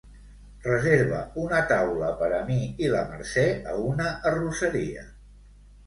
Reserva una taula per a mi i la Mercè a una arrosseria.